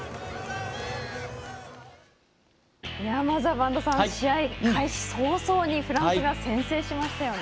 まずは播戸さん試合開始早々にフランスが先制しましたよね。